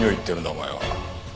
お前は。